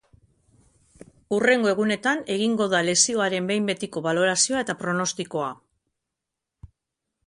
Hurrengo egunetan egingo da lesioaren behin betiko balorazio eta pronostikoa.